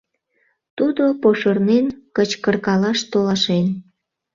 Тудо пошырнен кычкыркалаш толашен.